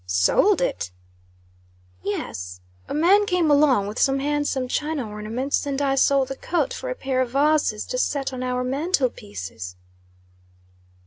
"Sold it!" "Yes. A man came along with some handsome china ornaments, and I sold the coat for a pair of vases to set on our mantle pieces."